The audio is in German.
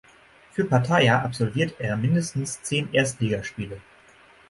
Für Pattaya absolvierte er mindestens zehn Erstligaspiele.